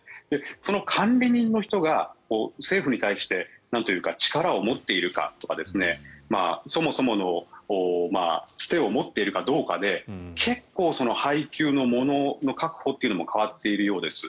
その管理人の人が政府に対して力を持っているかとかそもそものつてを持っているかどうかで結構、配給のものの確保というのも変わっているようです。